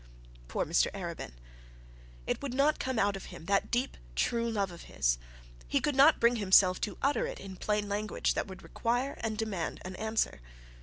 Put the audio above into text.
Poor Mr Arabin! It would not come out of him, that deep true love of his. He could not bring himself to utter it in plain language that would require and demand an answer.